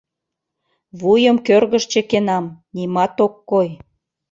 Вуйым кӧргыш чыкенам — нимат ок кой.